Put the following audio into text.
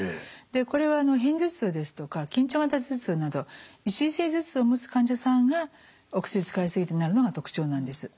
これは片頭痛ですとか緊張型頭痛など一次性頭痛を持つ患者さんがお薬使いすぎてなるのが特徴なんです。